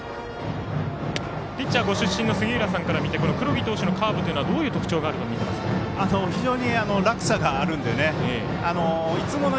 ピッチャーご出身の杉浦さんから見て黒木投手のカーブはどういう特徴があると非常に落差があるので。